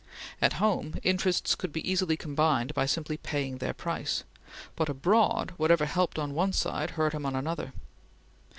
At home, interests could be easily combined by simply paying their price; but abroad whatever helped on one side, hurt him on another.